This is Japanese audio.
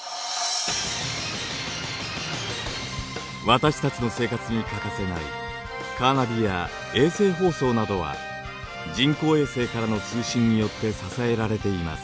私たちの生活に欠かせないカーナビや衛星放送などは人工衛星からの通信によって支えられています。